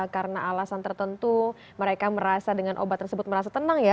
karena alasan tertentu mereka merasa dengan obat tersebut merasa tenang ya